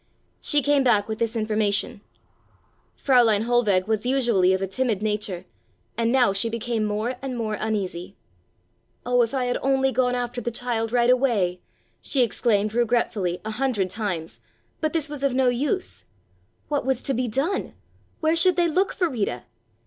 She came back with this information. Fräulein Hohlweg was usually of a timid nature, and now she became more and more uneasy. "Oh, if I had only gone after the child right away!" she exclaimed regretfully a hundred times, but this was of no use. What was to be done? Where should they look for Rita?